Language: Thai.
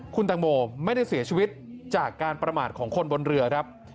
คุณตังโมไม่ได้เสียชีวิตจากการประมาทของคนบนเรือครับ